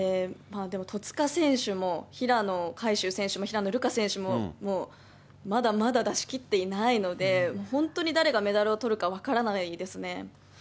でも戸塚選手も平野海祝選手も平野流佳選手も、まだまだ出しきっていないので、本当に誰がメダルをとるか分からないですね。